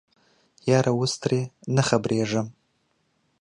یاره اوس تې نه خبریږم